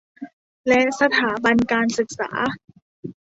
และสถาบันการศึกษา